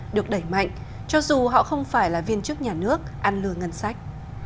được đẩy mạnh cho dù họ không phải là viên chức nhà nước ăn lừa ngân sách